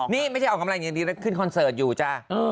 นี่มันออกกำลังกายอยู่อยู่นางขึ้นคอนเสิร์ตอยู่จ้ะ